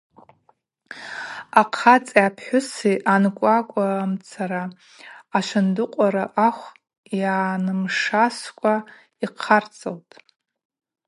Ахъацӏи апхӏвыси анкъвакъвуамцара ашвындыкъвара ахв йгӏанымшаскӏва йхъарцылтӏ.